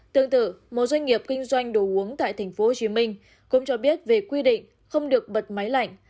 tương tự một doanh nghiệp kinh doanh đồ uống tại tp hcm cũng cho biết về quy định không được bật máy lạnh